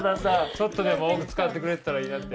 ちょっとでも多く使ってくれてたらいいなって。